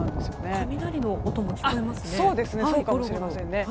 雷の音も聞こえますね。